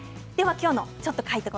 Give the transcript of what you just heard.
今日の「ちょっと書いとこ！」